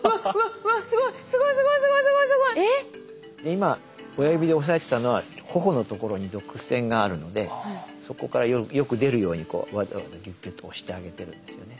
今親指で押さえてたのは頬のところに毒腺があるのでそこからよく出るようにわざわざギュッギュッと押してあげてるんですよね。